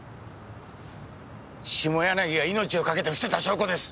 下柳が命をかけてふせた証拠です！